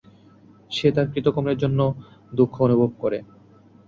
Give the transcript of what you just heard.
সে তার কৃতকর্মের জন্য দুঃখ অনুভব করে।